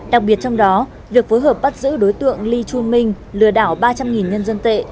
đặc biệt trong đó việc phối hợp bắt giữ đối tượng ly chu minh lừa đảo ba trăm linh nhân dân tệ